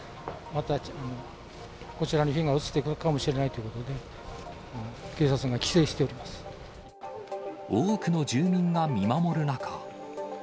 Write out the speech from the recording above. またこちらにも火が移ってくるかもしれないということで、警察が多くの住民が見守る中。